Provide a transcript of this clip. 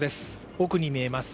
奥に見えます。